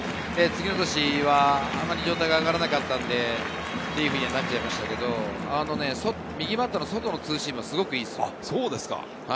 次の年はあまり状態が上がらなかったので、こういうふうになってしまいましたけれど、右バッターの外のツーシームがすごくいいです。